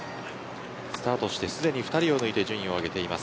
スタートしてすでに２人を抜いて順位を上げています。